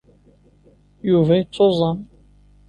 Yuba yettuẓam.